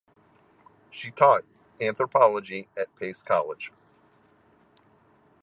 She taught anthropology at Pace College.